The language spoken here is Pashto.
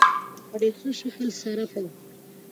په ډېر ښه شکل سره په